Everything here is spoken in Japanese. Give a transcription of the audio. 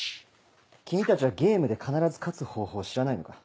君たちはゲームで必ず勝つ方法を知らないのか？